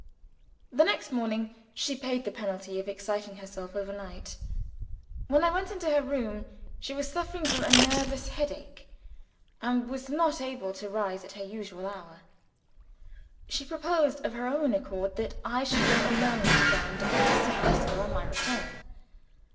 The next morning she paid the penalty of exciting herself over night. When I went into her room, she was suffering from a nervous head ache, and was not able to rise at her usual hour. She proposed of her own accord that I should go alone to Browndown to see Oscar on my return.